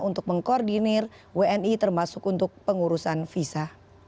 untuk mengkoordinir wni termasuk untuk pengurusan visa